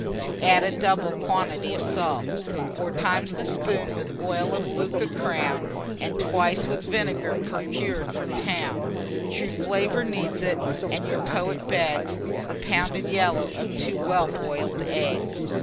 To add a double quantity of salt: Four times the spoon with oil of Lucca crown, And twice with vinegar procured from 'town; True flavour needs it, and your poet begs, The pounded yellow of two well boil'd eggs.